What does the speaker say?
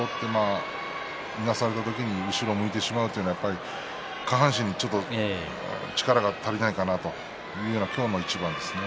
いなされた時に後ろを向いてしまうというのは下半身に、ちょっと力が足りないかなという今日の一番ですね。